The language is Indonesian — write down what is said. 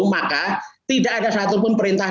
maka tidak ada satupun perintah